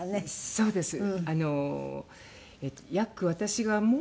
そうですね。